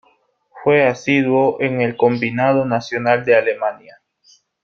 Fue asiduo en el combinado nacional de Alemania.